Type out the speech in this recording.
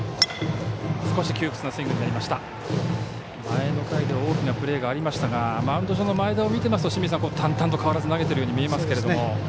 前の回で大きなプレーがありましたがマウンド上の前田を見てますと淡々と変わらず投げてるように見えますけど。